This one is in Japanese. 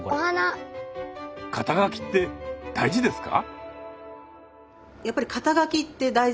肩書って大事ですか？